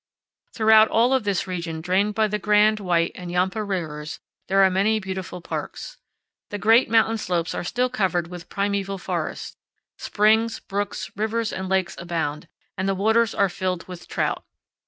Throughout all of this region drained by the Grand, White, and Yampa rivers, there are many beautiful parks. The great moun powell canyons 36.jpg A ZUÑÍ STOOL. 62 CANYONS OF THE COLORADO. tain slopes are still covered with primeval forests. Springs, brooks, rivers, and lakes abound, and the waters are filled with trout.